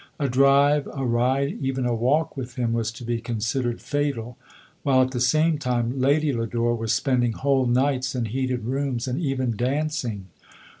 A drive, a ride, even a walk, with him, was to be considered fatal ; while, at the same time, Lady Lodore was spending whole nights in heated rooms, and even dancing.